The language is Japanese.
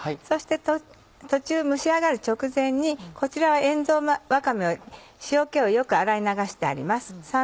そして途中蒸し上がる直前にこちらは塩蔵わかめを塩気をよく洗い流してあります。